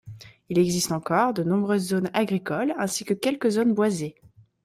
Il existe encore de nombreuses zones agricoles ainsi que quelques zones boisées.